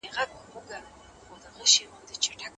د ماخذونو ښوولو دوه لوی هدفونه شته.